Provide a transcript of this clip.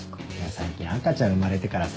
最近赤ちゃん生まれてからさ。